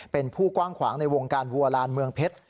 เป็นผู้กว้างขวางในวงการวัวลานเมืองเพชร